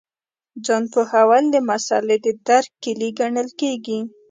ځان پوهول د مسألې د درک کیلي ګڼل کېږي.